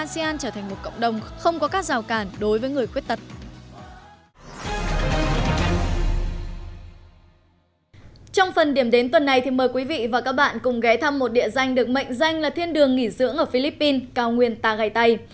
xin chào các bạn cùng ghé thăm một địa danh được mệnh danh là thiên đường nghỉ dưỡng ở philippines cao nguyên tagaytay